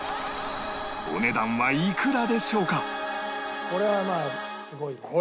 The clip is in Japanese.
お値段はいくらでしょうか？